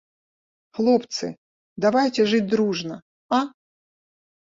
Хлопцы, давайце жыць дружна, а!